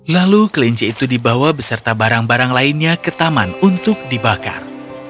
lalu kelinci itu dibawa beserta barang barang lainnya ke taman untuk dibakar